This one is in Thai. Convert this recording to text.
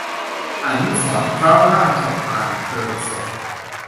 อนุสรณ์พระราชทานเพลิงศพ